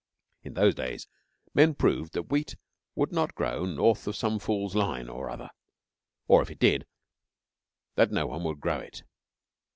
In those days men proved that Wheat would not grow north of some fool's line, or other, or, if it did, that no one would grow it.